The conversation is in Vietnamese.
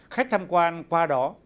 khách tham quan qua đó